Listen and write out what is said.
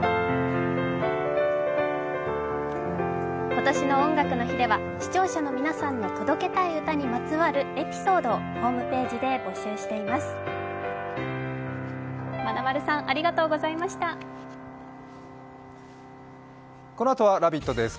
今年の「音楽の日」では視聴者の皆さんが届けたい歌のエピソードをホームページで募集しています。